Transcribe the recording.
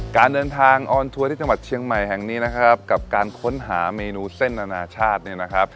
การเดินทางออนทัวร์ที่จังหวัดเชียงใหม่แห่งนี้นะครับกับการค้นหาเมนูเส้นอนาชาติเนี่ยนะครับ